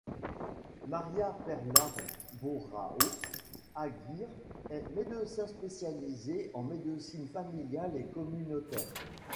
María Perla Borao Aguirre est médecin spécialisée en médecine familiale et communautaire.